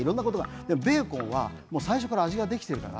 でもベーコンは最初から味ができているから